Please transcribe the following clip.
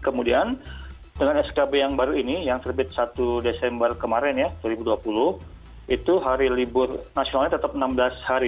kemudian dengan skb yang baru ini yang terbit satu desember kemarin ya dua ribu dua puluh itu hari libur nasionalnya tetap enam belas hari